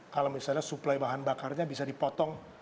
kalau misalnya suplai bahan bakarnya bisa dipotong